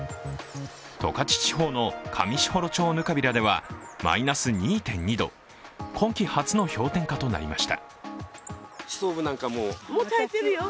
十勝地方の上士幌町糠平ではマイナス２．２度今季初の氷点下となりました。